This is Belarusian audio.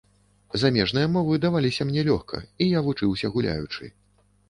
Замежныя мовы даваліся мне лёгка, і я вучыўся гуляючы.